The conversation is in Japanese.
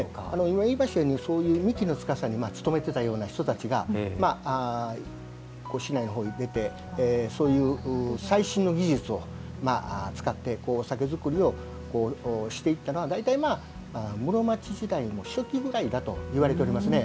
今言いましたようにそういう造酒司に勤めてたような人たちが市内の方に出てそういう最新の技術を使って酒造りをしていったのは大体室町時代の初期ぐらいだといわれておりますね。